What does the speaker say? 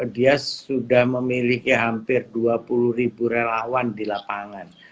dia sudah memiliki hampir dua puluh ribu relawan di lapangan